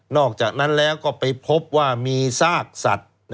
นอกจากนั้นไปพบว่ามีทรากศัตรย์